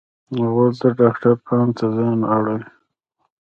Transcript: غول د ډاکټر پام ځانته اړوي.